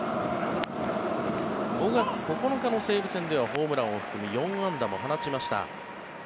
５月９日の西武戦ではホームランを含む４安打も放ちました。